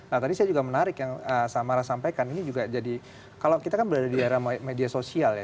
nah tadi saya juga menarik yang samara sampaikan ini juga jadi kalau kita kan berada di era media sosial ya